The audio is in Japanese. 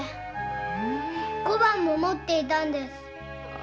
小判も持っていたんです。